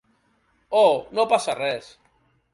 Oh, no passa res.